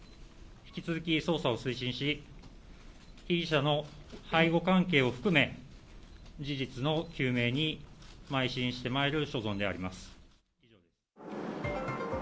引き続き捜査を推進し、被疑者の背後関係を含め、事実の究明にまい進してまいる所存であります。